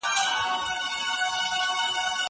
په دې کوچني جهان کي ، خو واصل ملامت نه یم